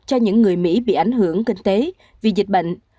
cho những người mỹ bị ảnh hưởng kinh tế vì dịch bệnh